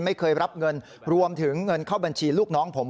ไม่เคยรับเงินรวมถึงเงินเข้าบัญชีลูกน้องผม